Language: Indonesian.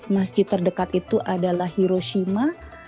masjid terdekat itu adalah hiroshima